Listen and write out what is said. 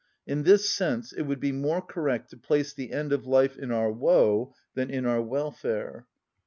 In this sense, it would be more correct to place the end of life in our woe than in our welfare.